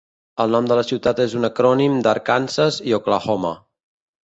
El nom de la ciutat és un acrònim d'Arkansas i Oklahoma.